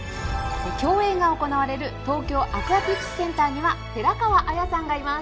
競泳が行われる東京アクアティクスセンターには寺川綾さんがいます。